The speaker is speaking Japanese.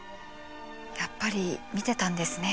やっぱり見てたんですね。